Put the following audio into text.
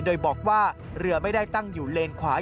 โดยบอกว่าเรือไม่ได้ตั้งอยู่เลนขวา